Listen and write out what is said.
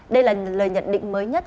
đây là lời nhận định mới nhất